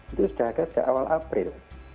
itu sudah agak awal april